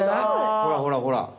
ほらほらほら！